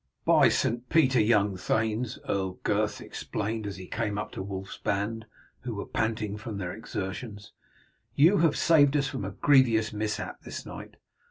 "By St. Peter, young thanes!" Earl Gurth exclaimed as he came up to Wulf's band, who were panting from their exertions, "you have saved us from a grievous mishap this night.